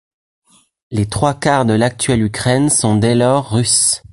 Les trois quarts de l’actuelle Ukraine sont dès lors russes.